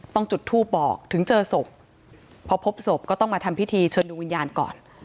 จุดทูปบอกถึงเจอศพพอพบศพก็ต้องมาทำพิธีเชิญดวงวิญญาณก่อน